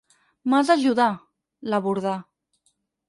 M'has d'ajudar —l'abordà—.